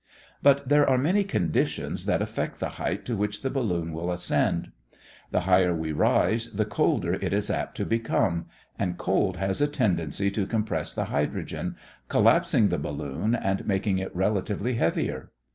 But there are many conditions that affect the height to which the balloon will ascend. The higher we rise, the colder it is apt to become, and cold has a tendency to compress the hydrogen, collapsing the balloon and making it relatively heavier.